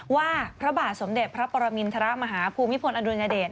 ว่าพระบาทสมเด็จพระปรมินทรมาฮภูมิพลอดุญเดช